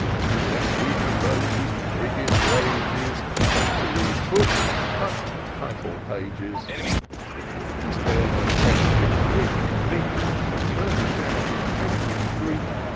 Yes, we have those, whose priggish rage is Not to read books — but title pages ; Who spare no cost in drink and meat. To furnish out a tempting treat.